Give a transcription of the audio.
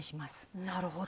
なるほど。